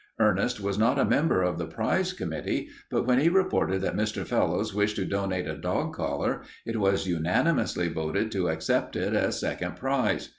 Ernest was not a member of the prize committee, but when he reported that Mr. Fellowes wished to donate a dog collar, it was unanimously voted to accept it as second prize.